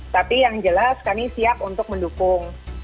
tapi yang jelas kami siap untuk mendukung